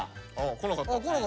来なかった？